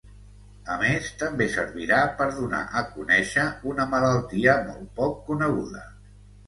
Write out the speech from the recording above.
A més, també servirà per donar a conèixer una malaltia molt poc coneguda.